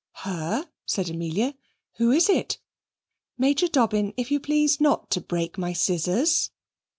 "Her!" said Amelia, "who is it? Major Dobbin, if you please not to break my scissors."